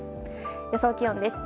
予想気温です。